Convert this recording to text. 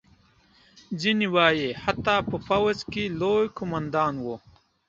ځینې وایي حتی په پوځ کې لوی قوماندان وو.